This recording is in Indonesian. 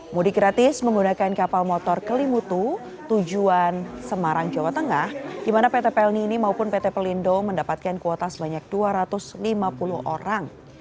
mudik gratis menggunakan kapal motor kelimutu tujuan semarang jawa tengah di mana pt pelni ini maupun pt pelindo mendapatkan kuota sebanyak dua ratus lima puluh orang